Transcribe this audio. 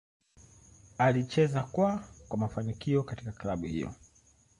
Alicheza kwa kwa mafanikio katika klabu hiyo.